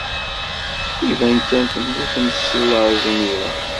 Iban kan temmutemt seg laẓ imir-a.